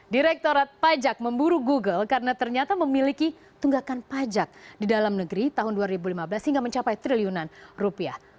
direktorat pajak memburu google karena ternyata memiliki tunggakan pajak di dalam negeri tahun dua ribu lima belas hingga mencapai triliunan rupiah